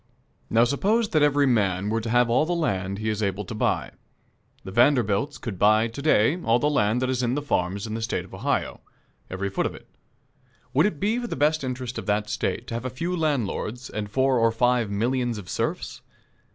Now, suppose that every man were to have all the land he is able to buy. The Vanderbilts could buy to day all the land that is in farms in the State of Ohio every foot of it. Would it be for the best interest of that State to have a few landlords and four or five millions of serfs?